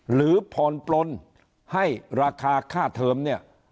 หรือผ่อนปลนให้ราคาค่าเทอมเนี่ย